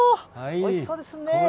おいしそうですね。